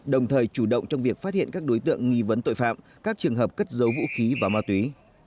đồng thời chủ động trong việc phát hiện các đối tượng nghi vấn tội phạm các trường hợp cất giấu vũ khí và ma túy